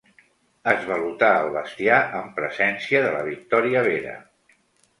Esvalotar el bestiar en presència de la Victòria Vera.